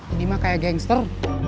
ini mah kayak gangster